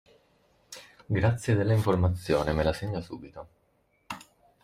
Grazie della informazione, me lo segno subito.